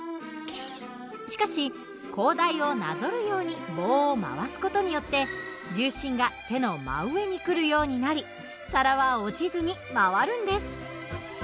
しかし高台をなぞるように棒を回す事によって重心が手の真上に来るようになり皿は落ちずに回るんです。